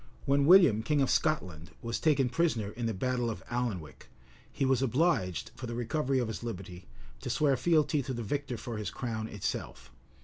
When William, king of Scotland, was taken prisoner in the battle of Alnwick, he was obliged, for the recovery of his liberty, to swear fealty to the victor for his crown itself.